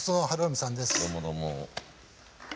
どうもどうも。